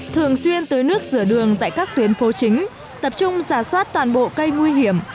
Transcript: thường xuyên tưới nước rửa đường tại các tuyến phố chính tập trung giả soát toàn bộ cây nguy hiểm